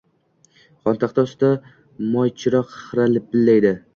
Xontaxta ustidagi moychiroq xira lipillaydi.